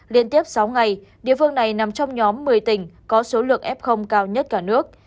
liên tiếp sáu ngày địa phương này nằm trong nhóm một mươi tỉnh có số lượng f cao nhất cả nước